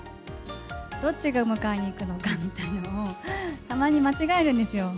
どっちが迎えにいくのかみたいなのを、たまに間違えるんですよ。